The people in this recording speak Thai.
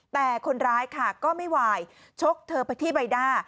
แต่คนร้ายค่ะก็ไม่วายชกเธอไปที่ใบหน้า